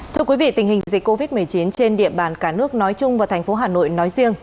thưa quý vị tình hình dịch covid một mươi chín trên địa bàn cả nước nói chung và thành phố hà nội nói riêng